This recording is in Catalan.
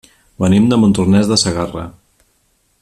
Venim de Montornès de Segarra.